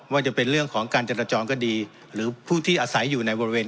ว่าจะเป็นเรื่องของการจราจรก็ดีหรือผู้ที่อาศัยอยู่ในบริเวณ